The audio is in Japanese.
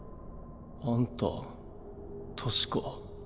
あんた確か。